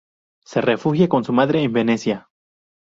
Se refugia con su madre en Venecia.